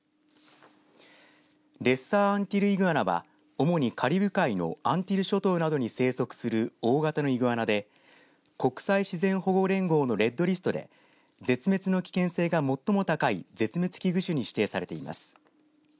レッサーアンティルイグアナは主にカリブ海のアンティル諸島などに生息する大型のイグアナで国際自然保護連合のレッドリストで絶滅の危険性が最も高い絶滅危惧種に指定されています。